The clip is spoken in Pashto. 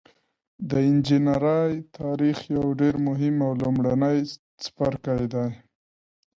د انجنیری تاریخ یو ډیر مهم او لومړنی څپرکی دی.